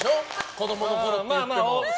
子供のころって言っても。